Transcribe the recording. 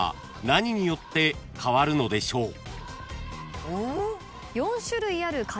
何によって変わるのでしょうか？